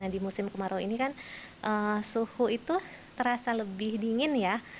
di musim kemarau ini kan suhu itu terasa lebih dingin ya